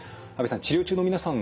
治療中の皆さん